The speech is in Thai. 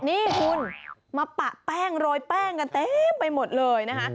นี่คุณมาปะแป้งโรยแป้งกันเต็มไปหมดเลยนะคะ